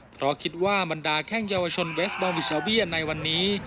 เพราะคิดว่าบรรดาแข้งเยาวชนเวสบอลวิชาเบียนในวันนี้